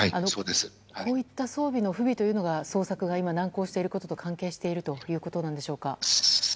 こういった装備の不備というのが捜索が今難航していることと関係しているということなんでしょうか。